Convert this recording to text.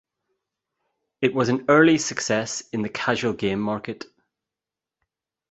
It was an early success in the casual game market.